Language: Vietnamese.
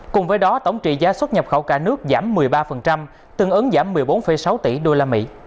cùng với đó tổng trị giá xuất nhập khẩu cả nước giảm một mươi ba tương ứng giảm một mươi bốn sáu tỷ usd